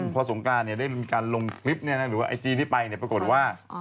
พอสงกรานเนี่ยได้มีการลงคลิปเนี่ยหรือว่าไอจีที่ไปเนี่ยปรากฏว่า